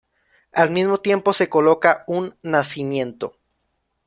Al mismo tiempo se coloca un nacimiento.